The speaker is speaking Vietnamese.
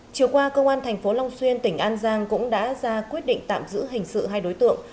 chiều qua công an tp long xuyên tỉnh an giang cũng đã ra quyết định tạm giữ hình sự hai đối tượng